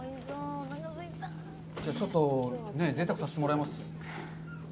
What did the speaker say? じゃあ、ちょっとぜいたくさせてもらいます。